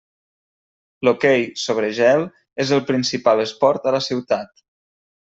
L'hoquei sobre gel és el principal esport a la ciutat.